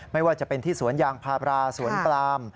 ไม่ว่าจะเป็นที่สวนยางพาบราสวนปลาม